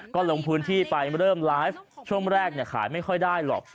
ก็ลงพื้นที่ไปเริ่มไลฟ์ช่วงแรกขายไม่ค่อยได้หรอก